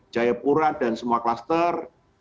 jayapura dan semua kluster